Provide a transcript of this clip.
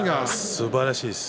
すばらしいです。